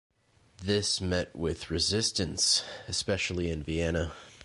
This met with resistance, especially in Vienna.